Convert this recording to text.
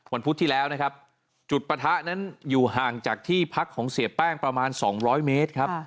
พุธที่แล้วนะครับจุดปะทะนั้นอยู่ห่างจากที่พักของเสียแป้งประมาณ๒๐๐เมตรครับ